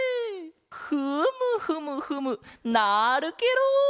フムフムフムなるケロ！